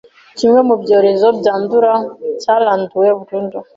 kimwe mu byorezo byandura cyararanduwe burundu